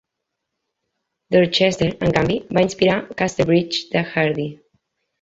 Dorchester, en canvi, va inspirar "Casterbridge" de Hardy.